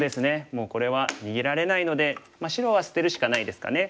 もうこれは逃げられないので白は捨てるしかないですかね。